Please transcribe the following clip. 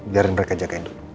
biarin mereka jagain dulu